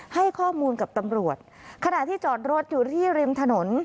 ให้ข้อมูลกับตำรวจขณะที่จอดรถอยู่ที่ริมถนน